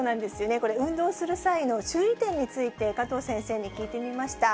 これ、運動する際の注意点について加藤先生に聞いてみました。